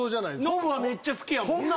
ノブはめっちゃ好きやもんな。